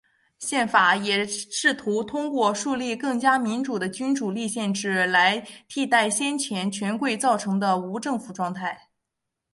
宪法也试图通过树立更加民主的君主立宪制来替代先前权贵造成的无政府状态。